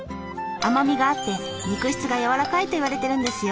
甘みがあって肉質がやわらかいと言われてるんですよ。